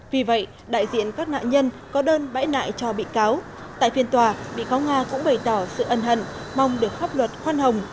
vì vậy đại diện các nạn nhân có đơn bãi nại cho bị cáo tại phiên tòa bị cáo nga cũng bày tỏ sự ân hận mong được pháp luật khoan hồng